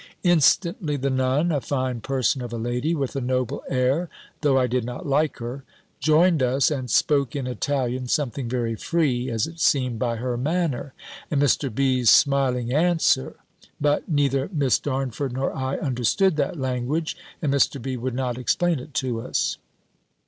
Instantly the Nun, a fine person of a lady, with a noble air, though I did not like her, joined us, and spoke in Italian something very free, as it seemed by her manner, and Mr. B.'s smiling answer; but neither Miss Darnford nor I understood that language, and Mr. B. would not explain it to us.